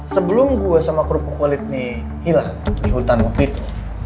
sebelum gue sama krupuk walid nih hilang di hutan waktu itu